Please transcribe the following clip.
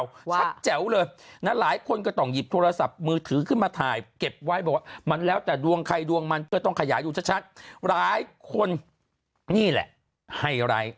ชัดแจ๋วเลยนะหลายคนก็ต้องหยิบโทรศัพท์มือถือขึ้นมาถ่ายเก็บไว้บอกว่ามันแล้วแต่ดวงใครดวงมันก็ต้องขยายดูชัดหลายคนนี่แหละไฮไลท์